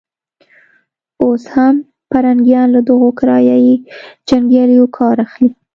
اوس هم پرنګيان له دغو کرایه يي جنګیالیو کار اخلي.